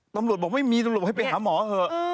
ตำรวจบอกไม่มีตำรวจให้ไปหาหมอเถอะ